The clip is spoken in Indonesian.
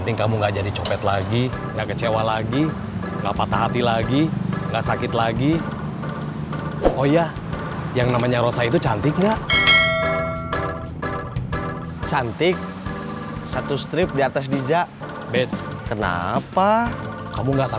tidak ada yang menjawab sms